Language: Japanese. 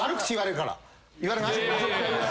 言われない？